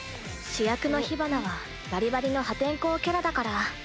主役のヒバナはバリバリの破天荒キャラだから。